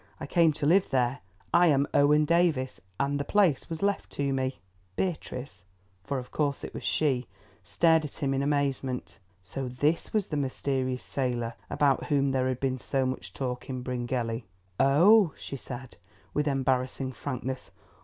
I came to live there. I am Owen Davies, and the place was left to me." Beatrice, for of course it was she, stared at him in amazement. So this was the mysterious sailor about whom there had been so much talk in Bryngelly. "Oh!" she said, with embarrassing frankness.